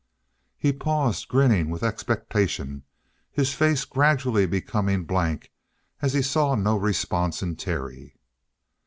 He paused, grinning with expectation, his face gradually becoming blank as he saw no response in Terry.